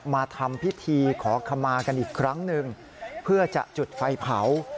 มาทำพิธีขอขมากันอีกครั้งหนึ่งเพื่อจะจุดไฟเผา